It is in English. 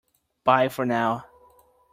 Bye for now!